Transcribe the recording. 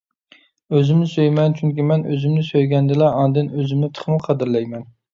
ئۆزۈمنى سۆيىمەن، چۈنكى مەن ئۆزۈمنى سۆيگەندىلا ئاندىن ئۆزۈمنى تېخىمۇ قەدىرلەيمەن.